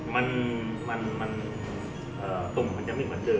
มันประกอบกันแต่ว่าอย่างนี้แห่งที่